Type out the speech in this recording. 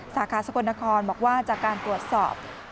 สาขาสกลนครบอกว่าจากการตรวจสอบ